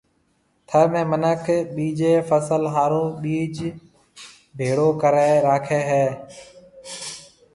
ٿر ۾ منک ٻيجيَ فصل ھارو ٻِج ڀيݪو ڪرَي راکيَ ھيََََ